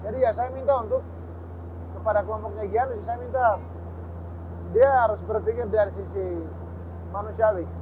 jadi ya saya minta untuk kepada kelompoknya gyanus saya minta dia harus berpikir dari sisi manusiawi